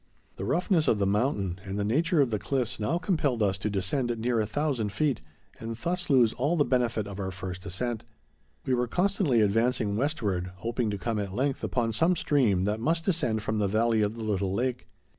The roughness of the mountain and the nature of the cliffs now compelled us to descend near a thousand feet, and thus lose all the benefit of our first ascent. We were constantly advancing westward, hoping to come at length upon some stream that must descend from the valley of the little lake.